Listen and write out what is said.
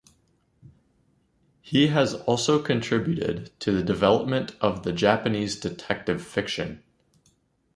He has also contributed to the development of the Japanese detective fiction.